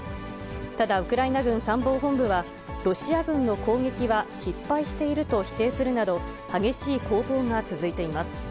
ただ、ウクライナ軍参謀本部は、ロシア軍の攻撃は失敗していると否定するなど、激しい攻防が続いています。